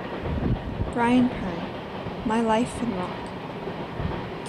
Brian Pern - My Life In Rock.